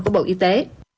của bộ y tế